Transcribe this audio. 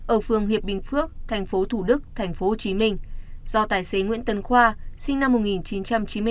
ở phường hiệp bình phước tp thủ đức tp hcm do tài xế nguyễn tấn khoa sinh năm một nghìn chín trăm chín mươi bốn